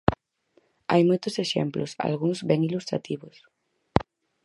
Hai moitos exemplos, algúns ben ilustrativos.